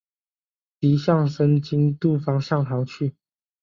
敌向申津渡方向逃去。